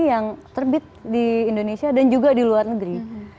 yang terbit di indonesia dan juga di luar negeri